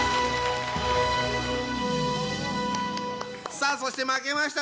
さあそして負けました